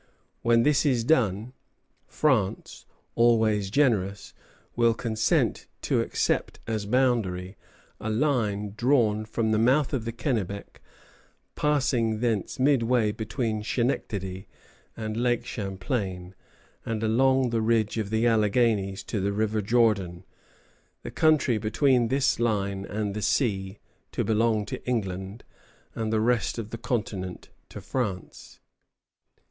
When this is done, France, always generous, will consent to accept as boundary a line drawn from the mouth of the Kennebec, passing thence midway between Schenectady and Lake Champlain and along the ridge of the Alleghanies to the river Jordan, the country between this line and the sea to belong to England, and the rest of the continent to France.